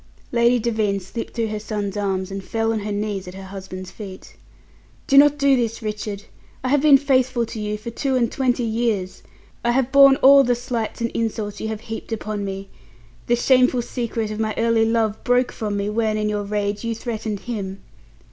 Lady Devine slipped through her son's arms and fell on her knees at her husband's feet. "Do not do this, Richard. I have been faithful to you for two and twenty years. I have borne all the slights and insults you have heaped upon me. The shameful secret of my early love broke from me when in your rage, you threatened him.